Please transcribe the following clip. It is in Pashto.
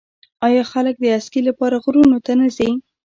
آیا خلک د اسکی لپاره غرونو ته نه ځي؟